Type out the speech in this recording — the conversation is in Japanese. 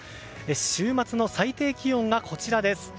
週末の最低気温がこちらです。